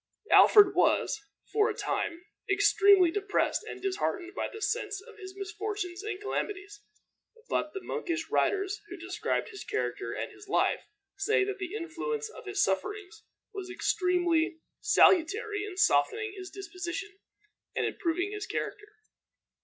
] Alfred was, for a time, extremely depressed and disheartened by the sense of his misfortunes and calamities; but the monkish writers who described his character and his life say that the influence of his sufferings was extremely salutary in softening his disposition and improving his character.